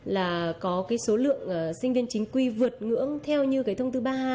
là có cái số lượng sinh viên chính quy vượt ngưỡng theo như cái thông tư ba mươi hai